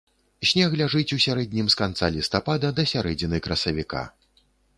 Снег ляжыць у сярэднім з канца лістапада да сярэдзіны красавіка.